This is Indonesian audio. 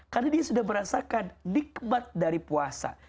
karena dia sudah merasakan nikmat dari puasa